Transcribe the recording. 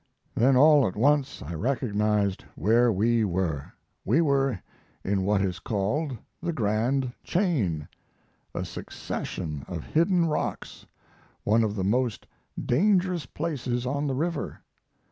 Then all at once I recognized where we were; we were in what is called the Grand Chain a succession of hidden rocks, one of the most dangerous places on the river.